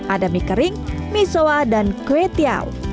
ada mie kering mie soa dan kue tiaw